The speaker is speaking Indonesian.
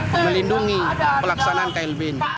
dalam hal melindungi pelaksanaan klb ini